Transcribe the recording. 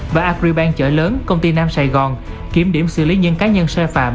và agribank chợ lớn công ty nam sài gòn kiểm điểm xử lý những cá nhân sai phạm